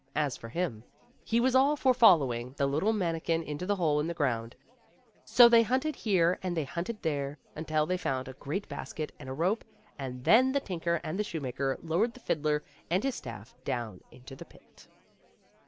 As for him, he was all for following the little manikin into the hole in the ground ; so they hunted here and they hunted there, until they found a great basket and a rope, and then the tinker and the shoemaker lowered the fiddler and his staff down into the pit.